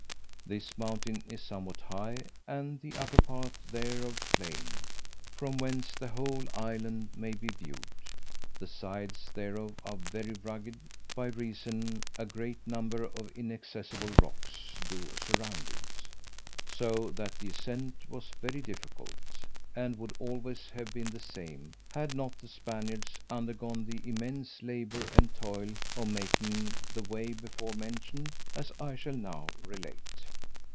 This mountain is somewhat high, and the upper part thereof plain, from whence the whole island may be viewed: the sides thereof are very rugged, by reason a great number of inaccessible rocks do surround it; so that the ascent was very difficult, and would always have been the same, had not the Spaniards undergone the immense labour and toil of making the way before mentioned, as I shall now relate.